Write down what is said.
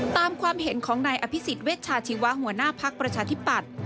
ความเห็นของนายอภิษฎเวชาชีวะหัวหน้าภักดิ์ประชาธิปัตย์